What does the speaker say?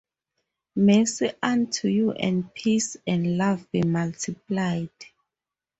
Mercy unto you and peace and love be multiplied.